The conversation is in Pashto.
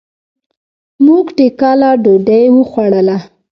مونږ ټکله ډوډي وخوړله.